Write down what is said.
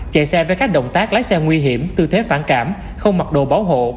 chạy xe với các động tác lái xe nguy hiểm tư thế phản cảm không mặc đồ bảo hộ